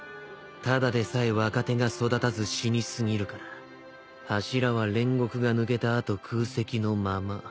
ただでさえ若手が育たず死にすぎるから柱は煉獄が抜けた後空席のまま。